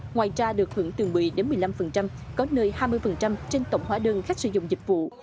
ngoài ra được hưởng từ một mươi một mươi năm có nơi hai mươi trên tổng hóa đơn khách sử dụng dịch vụ